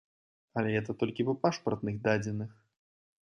Але гэта толькі па пашпартных дадзеных.